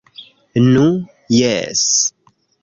- Nu, jes...